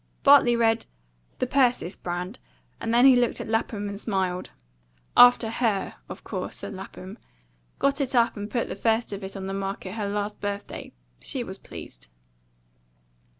Bartley read, "THE PERSIS BRAND," and then he looked at Lapham and smiled. "After HER, of course," said Lapham. "Got it up and put the first of it on the market her last birthday. She was pleased."